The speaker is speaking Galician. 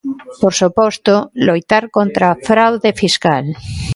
Por suposto, loitar contra a fraude fiscal.